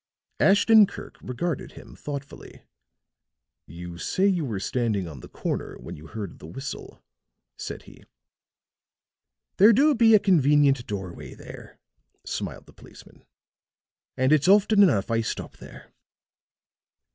Ashton Kirk regarded him thoughtfully. "You say you were standing on the corner when you heard the whistle," said he. "There do be a convenient doorway there," smiled the policeman, "and it's often enough I stop there.